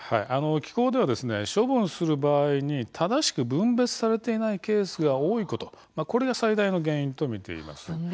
機構では処分する場合に正しく分別されていないケースが多いこと、これが最大の原因と見ています。